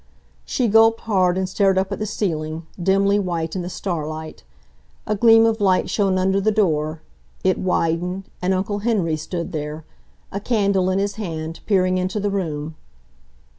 She gulped hard and stared up at the ceiling, dimly white in the starlight. A gleam of light shone under the door. It widened, and Uncle Henry stood there, a candle in his hand, peering into the room.